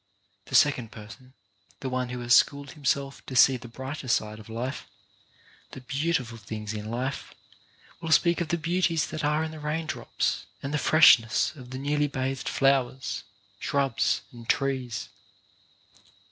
The second person, the one who has schooled him self to see the brighter side of life, the beautiful things in life, will speak of the beauties that are in the rain drops, and the freshness of the newly bathed flowers, shrubs and trees.